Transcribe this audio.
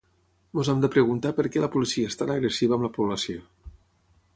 “Ens hem de preguntar per què la policia és tan agressiva amb la població”.